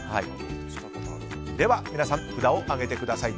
では皆さん、札を上げてください。